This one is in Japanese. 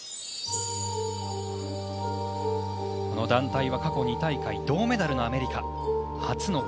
団体は過去２大会で銅メダルのアメリカです